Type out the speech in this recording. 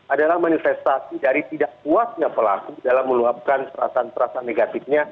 adalah manifestasi dari tidak kuatnya pelaku dalam meluapkan perasaan perasaan negatifnya